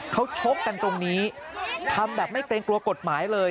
เขาชกกันตรงนี้ทำแบบไม่เกรงกลัวกฎหมายเลย